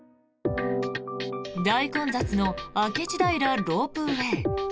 大混雑の明智平ロープウェイ。